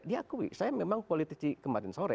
dia akui saya memang politisi kemarin sore